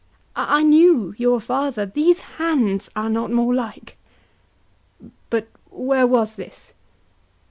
I knew your father; These hands are not more like. HAMLET. But where was this?